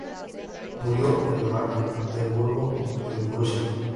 Murió en Magdeburgo, en Prusia.